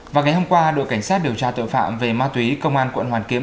vào ngày hôm qua đội cảnh sát điều tra tội phạm về ma túy công an quận hoàn kiếm